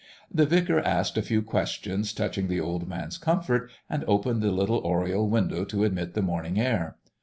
The vicar asked a few questions touching the old man's comfort, and opened the little oriel window to admit the morning air.